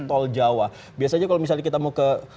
tol jawa biasanya kalau misalnya kita mau ke